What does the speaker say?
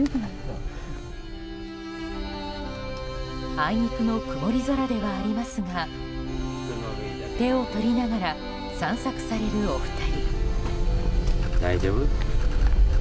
あいにくの曇り空ではありますが手を取りながら散策されるお二人。